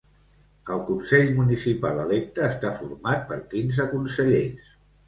El consell municipal electe està format per quinze consellers.